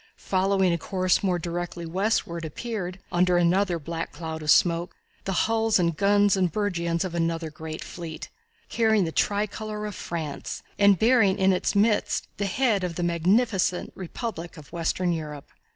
Following a course more directly westward appeared, under another black cloud of smoke, the hulls and guns and burgeons of another great fleet, carrying the tri color of France, and bearing in its midst the head of the magnificent republic of western Europe.